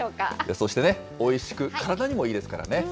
そしておいしく、体にもいいですからね。